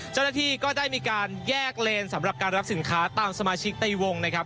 เจ้าหน้าที่ก็ได้มีการแยกเลนสำหรับการรับสินค้าตามสมาชิกในวงนะครับ